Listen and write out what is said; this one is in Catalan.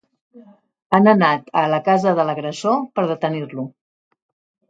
Han anat a la casa de l'agressor per detenir-lo.